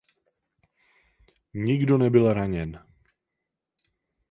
Nikdo nebyl raněn.